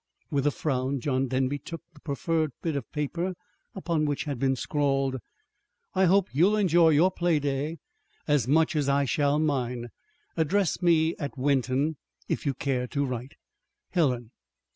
With a frown John Denby took the proffered bit of paper upon which had been scrawled: I hope you'll enjoy your playday as much as I shall mine. Address me at Wenton if you care to write. HELEN.